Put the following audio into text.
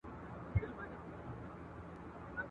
یا ړنده یم زما علاج دي نه دی کړی ..